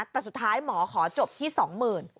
แต่สุดท้ายหมอขอจบที่๒๐๐๐บาท